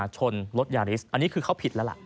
ชนรถยาริสอันนี้คือเขาผิดแล้วล่ะ